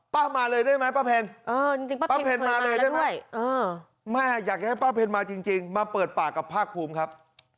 มาเลยได้ไหมป้าเพลป้าเพลมาเลยได้ไหมไม่อยากจะให้ป้าเพ็ญมาจริงมาเปิดปากกับภาคภูมิครับ